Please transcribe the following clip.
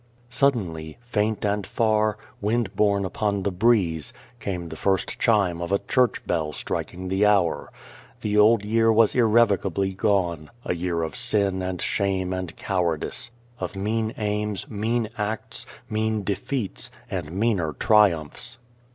Suddenly, faint and far, wind borne upon the breeze, came the first chime of a church bell striking the hour. The old year was irrevocably gone a year of sin and shame and cowardice, of mean aims, mean acts, mean defeats, and meaner triumphs.